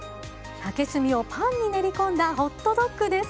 竹炭をパンに練り込んだホットドッグです。